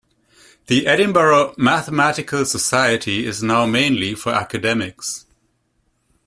The Edinburgh Mathematical Society is now mainly for academics.